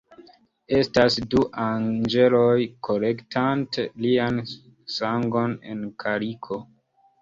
Estas du anĝeloj kolektante lian sangon en kaliko.